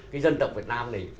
cái dân tộc việt nam này